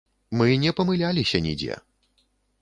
Мы не памыляліся нідзе.